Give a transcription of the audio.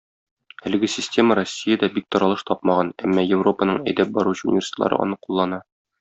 Әлеге система Россиядә бик таралыш тапмаган, әмма Европаның әйдәп баручы университетлары аны куллана.